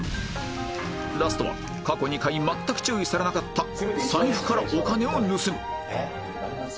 ラストは過去２回全く注意されなかった「財布からお金を盗む」